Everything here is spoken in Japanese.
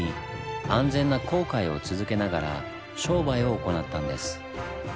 安全な航海を続けながら商売を行ったんです。